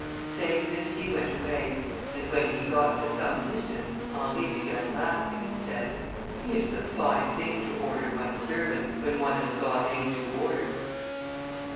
Saying this, he went away; and when he had got to some distance, Henry began laughing, and said, "It is a fine thing to order one's servants, when one has got any to order!"